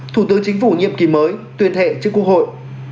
thủ tướng chính phủ nhiệm kỳ mới tuyên thệ trước quốc hội